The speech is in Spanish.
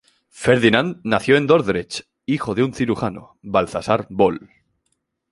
Ferdinand nació en Dordrecht hijo de un cirujano, Balthasar Bol.